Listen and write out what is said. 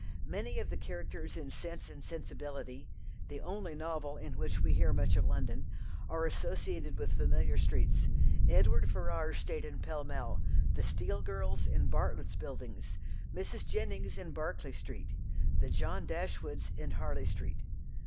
Many of the characters in Sense and Sensibility the only novel in which we hear much of London are associated with familiar streets. Edward Ferrars stayed in Pall Mall, the Steele girls in Bartlett's Buildings, Mrs. Jennings in Berkeley Street, the John Dashwoods in Harley Street.